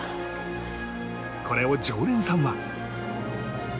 これを常連さんは。